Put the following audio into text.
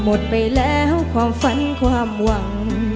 หมดไปแล้วความฝันความหวัง